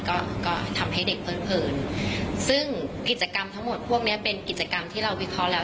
ก็ก็ทำให้เด็กเผินซึ่งกิจกรรมทั้งหมดพวกเนี้ยเป็นกิจกรรมที่เราวิเคราะห์แล้ว